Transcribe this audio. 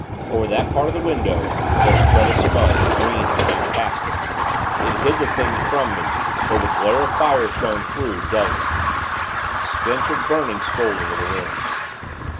Over that part of the window there spread a smudge, green and fantastic. It hid the thing from me, though the glare of fire shone through, dully. A stench of burning, stole into the room.